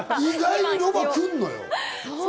意外にロバ、来んのよ。